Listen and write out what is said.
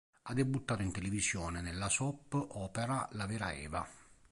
Ha debuttato in televisione nella soap opera "La vera Eva".